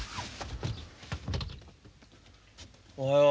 おはよう。